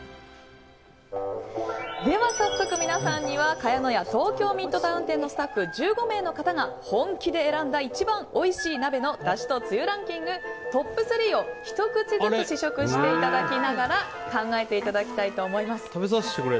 では早速、皆さんには茅乃舎東京ミッドタウン店のスタッフ１５名の方が本気で選んだ一番おいしい鍋のだしとつゆランキングトップ３をひと口ずつ試食していただきながら考えていただきたいと思います。